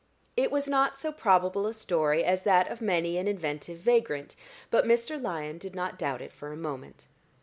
It was not so probable a story as that of many an inventive vagrant; but Mr. Lyon did not doubt it for a moment.